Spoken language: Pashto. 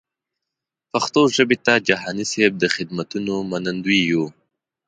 پښتو ژبې ته جهاني صېب د خدمتونو منندوی یو.